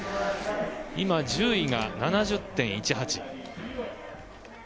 今、１０位が７０．１８。